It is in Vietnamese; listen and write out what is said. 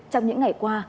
trong những ngày qua